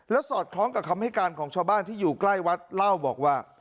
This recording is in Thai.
สอดคล้องกับคำให้การของชาวบ้านที่อยู่ใกล้วัดเล่าบอกว่า